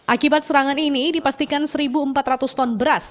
akibat serangan ini dipastikan satu empat ratus ton beras